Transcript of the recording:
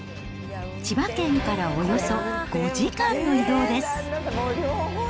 千葉県からおよそ５時間の移動です。